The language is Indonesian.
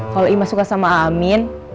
kalau ima suka sama amin